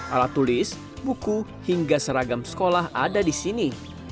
alat tulis buku hingga seragam sekolah ada di sini